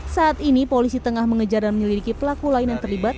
saat ini polisi tengah mengejar dan menyelidiki pelaku lain yang terlibat